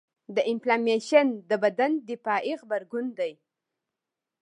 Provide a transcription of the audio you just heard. د انفلامیشن د بدن دفاعي غبرګون دی.